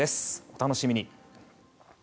お楽しみに。